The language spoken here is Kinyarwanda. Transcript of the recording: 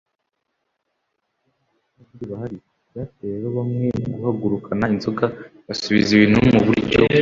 uko nta bapadiri bahari.byateye rero bamwe guhagurukana ingoga, basubiza ibintu mu buryo ku